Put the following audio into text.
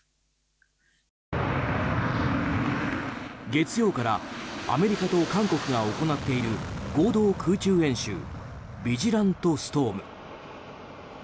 月曜からアメリカと韓国が行っている合同空中演習ビジラント・ストーム。